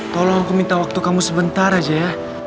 tolong aku minta waktu kamu sebentar aja ya